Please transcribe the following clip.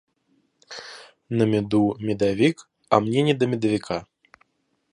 На меду медовик, а мне не до медовика.